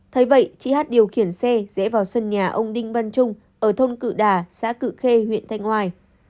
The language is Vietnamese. thấy vậy chị hát điều khiển xe rẽ vào sân nhà ông đinh văn trung ở thôn cự đà xã cự khê huyện thanh hoài